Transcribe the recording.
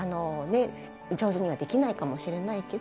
上手にはできないかもしれないけど